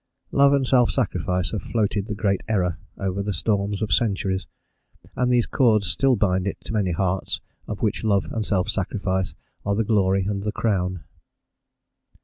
Love and self sacrifice have floated the great error over the storms of centuries, and these cords still bind to it many hearts of which love and self sacrifice are the glory and the crown.